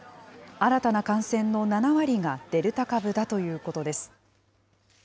新たな感染の７割がデルタ株だということです。